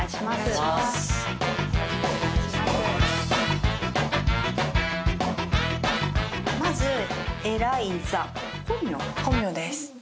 まず。